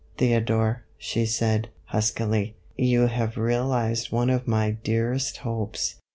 " Theodore," she said, huskily, " you have realized one of my dearest hopes.